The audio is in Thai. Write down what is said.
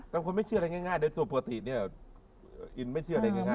แต่คนไม่เชื่ออะไรง่ายโดยส่วนปกติเนี่ยอินไม่เชื่ออะไรง่าย